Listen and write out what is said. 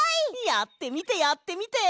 やってみてやってみて！